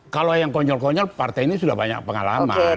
kalau yang konyol konyol partai ini sudah banyak pengalaman